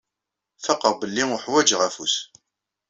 Faqeɣ belli uḥwaǧeɣ afus.